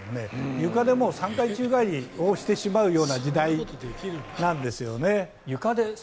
ゆかで３回宙返りをしてしまうような時代なんですよね。